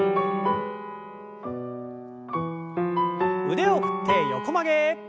腕を振って横曲げ。